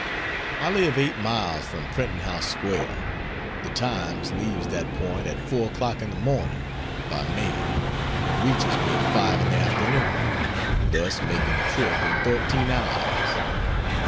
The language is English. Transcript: I live eight miles from Printing House Square; the Times leaves that point at 4 o'clock in the morning, by mail, and reaches me at 5 in the afternoon, thus making the trip in thirteen hours.